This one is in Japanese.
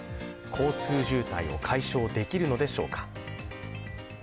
交通渋滞を解消できるのでしょうか。